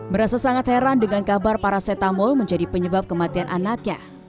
merasa sangat heran dengan kabar parasetamol menjadi penyebab kematian anaknya